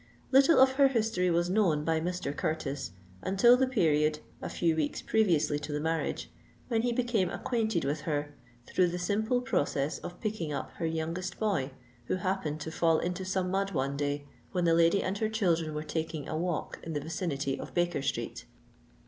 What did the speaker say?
Little of her history was known by Mr. Curtis until the period (a few weeks previously to the marriage) when he became acquainted with her through the simple process of picking up her youngest boy who happened to fall into some mud one day when the lady and her children were taking a walk in the vicinity of Baker Street.